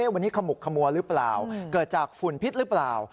วันนี้ขมุกขมัวหรือเปล่าเกิดจากฝุ่นพิษหรือเปล่า